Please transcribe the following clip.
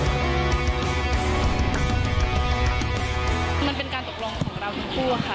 มันเป็นการตกลงของเราทั้งคู่อะค่ะ